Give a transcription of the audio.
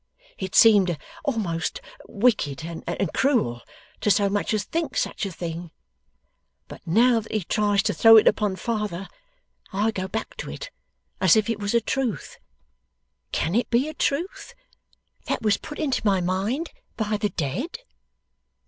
It seemed a'most wicked and cruel to so much as think such a thing; but now that he tries to throw it upon father, I go back to it as if it was a truth. Can it be a truth? That was put into my mind by the dead?